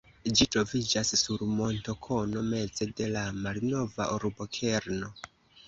Ĝi troviĝas sur montokono meze de la malnova urbokerno.